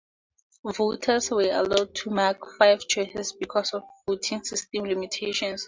Voters were allowed to mark five choices because of voting system limitations.